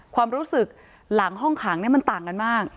ความรู้สึกหลังห้องขังมันต่างกันมาก